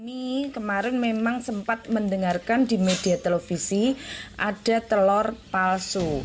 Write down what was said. kami kemarin memang sempat mendengarkan di media televisi ada telur palsu